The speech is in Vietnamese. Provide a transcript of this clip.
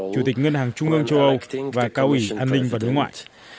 chủ tịch ngân hàng trung ương châu âu và cao ủy an ninh và đối ngoại